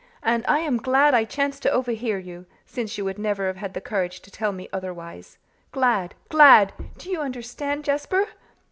and I am glad I chanced to overhear you, since you would never have had the courage to tell me otherwise. Glad glad! Do you understand, Jasper?"